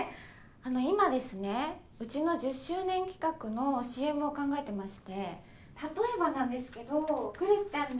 あの今ですねうちの１０周年企画のＣＭを考えてまして例えばなんですけど来栖ちゃんに。